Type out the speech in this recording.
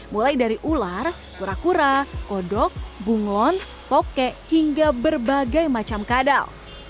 mulai dari ular kura kura kodok bunglon toke hingga berbagai macam kadal